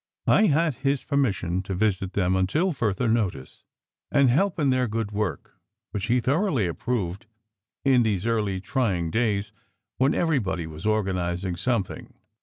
I had his permission to visit them until further notice, and help in their good work, which he thoroughly approved in these early trying days when everybody was organizing something.